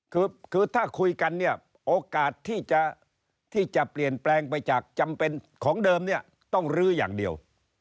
คือถ้าคุยกันเนี่ยโอกาสที่จะเปลี่ยนแปลงไปจากจำเป็นของเดิมเนี่ยต้องลื้ออย่างเดียว